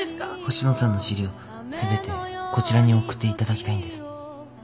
☎星野さんの資料すべてこちらに送っていただきたいんです。